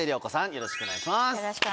よろしくお願いします。